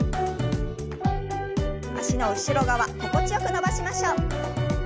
脚の後ろ側心地よく伸ばしましょう。